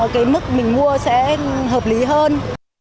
cái mức mình mua sẽ hợp lý hơn